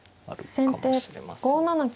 先手５七金。